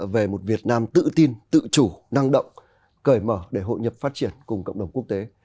về một việt nam tự tin tự chủ năng động cởi mở để hội nhập phát triển cùng cộng đồng quốc tế